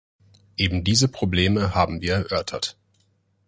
Eben diese Probleme haben wir erörtert.